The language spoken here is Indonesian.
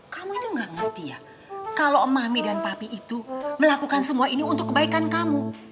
kamu itu gak ngerti ya kalau mami dan papi itu melakukan semua ini untuk kebaikan kamu